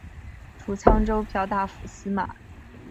除沧州骠大府司马。